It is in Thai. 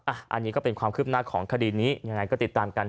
อันนี้ก็เป็นความคืบหน้าของคดีนี้ยังไงก็ติดตามกัน